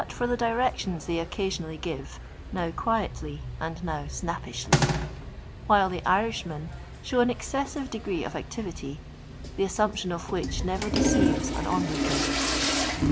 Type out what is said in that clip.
for the directions they occasionally give, now , quietly, and now snappishly; while the Irishmen ' show an excessive degree of activity, the assump \ tion of which never deceives an overlooker.